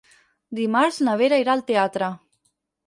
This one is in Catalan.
Dimarts na Vera irà al teatre.